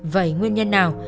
vậy nguyên nhân nào